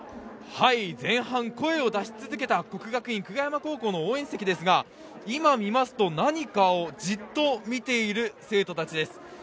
前半、声を出し続けた國學院久我山高校の応援席ですが、今見ますと何かをじっと見ている生徒たちです。